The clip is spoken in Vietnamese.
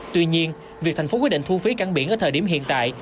tuy nhiên việc tp hcm quyết định thu phí cản biển ở thời điểm hiện tại